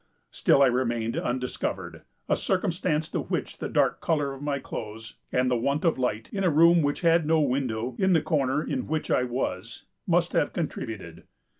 Still I remained undiscovered; a circumstance to which the dark color of my clothes, and the want of light, in a room which had no window in the corner in which I was, must have contributed.